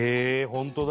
本当だ！